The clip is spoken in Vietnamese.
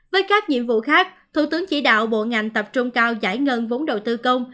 với các nhiệm vụ khác thủ tướng chỉ đạo bộ ngành tập trung cao giải ngân vốn đầu tư công